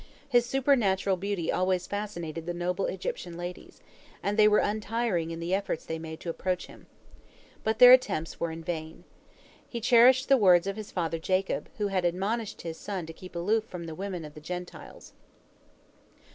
His supernatural beauty always fascinated the noble Egyptian ladies, and they were untiring in the efforts they made to approach him. But their attempts were vain. He cherished the words of his father Jacob, who had admonished his son to keep aloof from the women of the Gentiles.